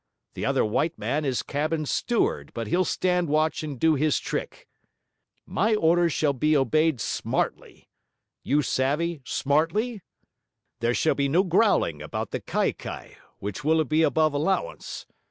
The other white man is cabin steward, but he'll stand watch and do his trick. My orders shall be obeyed smartly. You savvy, "smartly"? There shall be no growling about the kaikai, which will be above allowance.